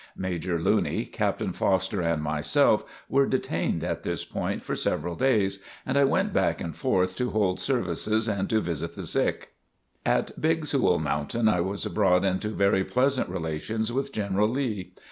Major Looney, Captain Foster and myself were detained at this point for several days, and I went back and forth to hold services and to visit the sick. At Big Sewell Mountain I was brought into very pleasant relations with General Lee.